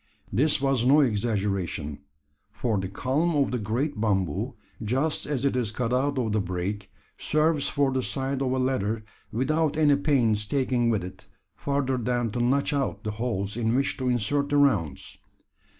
This was no exaggeration: for the culm of the great bamboo, just as it is cut out of the brake, serves for the side of a ladder, without any pains taken with it, further than to notch out the holes in which to insert the rounds.